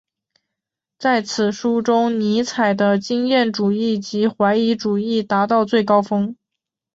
在此书中尼采的经验主义及怀疑主义达到最高峰。